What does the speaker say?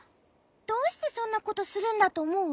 どうしてそんなことするんだとおもう？